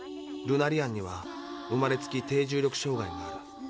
ルナリアンには生まれつき低重力障害がある。